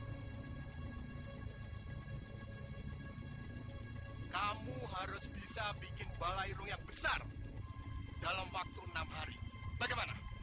hai kamu harus bisa bikin balairung yang besar dalam waktu enam hari bagaimana